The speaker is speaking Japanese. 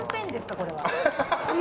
これは。